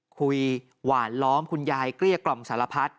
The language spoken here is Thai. หวานล้อมคุณยายเกลี้ยกล่อมสารพัด